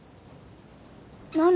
何？